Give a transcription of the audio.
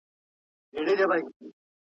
روښانه فکر درد نه پیدا کوي.